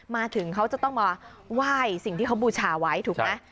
มาถึงเขาจะต้องมาไหว้สิ่งที่เขาบูชาไว้ถูกไหม